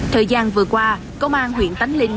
thời gian vừa qua công an huyền tánh linh